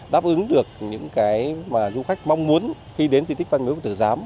đáp ứng được những cái mà du khách mong muốn khi đến di tích văn miếu quốc tử giám